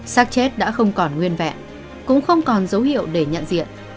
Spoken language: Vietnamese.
sát chết đã không còn nguyên vẹn cũng không còn dấu hiệu để nhận diện